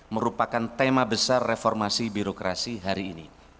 merupakan tema besar reformasi birokrasi hari ini